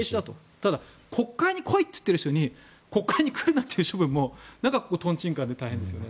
ただ国会に来いと言っている人に国会に来るなという処分もとんちんかんで大変ですよねと。